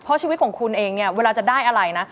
เพราะชีวิตของคุณเองเนี่ยเวลาจะได้อะไรนะ